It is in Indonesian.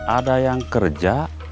ada yang kerja